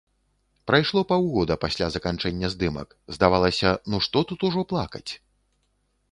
Прайшло паўгода пасля заканчэння здымак, здавалася, ну што тут ужо плакаць?